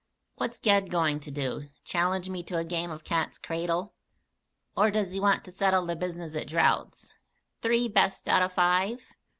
"What's Ged going to do? Challenge me to a game of cat's cradle? Or does he want to settle the business at draughts, three best out o' five?"